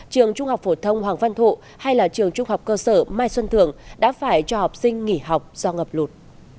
trường trung học phổ thông hoàng văn thụ hay là trường trung học cơ sở mai xuân thường đã phải cho học sinh nghỉ học do ngập lụt